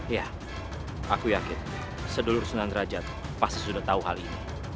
ya aku yakin sedulur sunan derajat pasti sudah tahu hal ini